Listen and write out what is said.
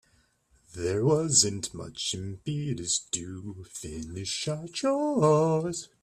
There wasn't much impetus to finish our chores.